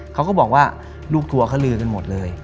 เขาก็บอกว่าลูกทัวร์เขาลือกันหมดเลย